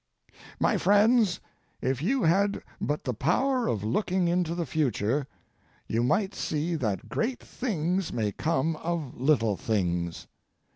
My friends, if you had but the power of looking into the future you might see that great things may come of little things.